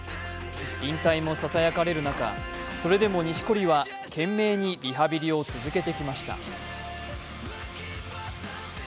引退もささやかれる中、それでも錦織は懸命にリハビリを続けてきました。